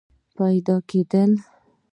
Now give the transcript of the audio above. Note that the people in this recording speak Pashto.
پیدا کېدل